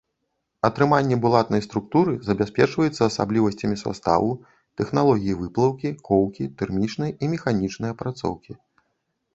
Атрыманне булатнай структуры забяспечваецца асаблівасцямі саставу, тэхналогіі выплаўкі, коўкі, тэрмічнай і механічнай апрацоўкі.